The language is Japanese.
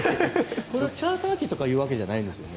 チャーター機とかいうわけではないんですかね？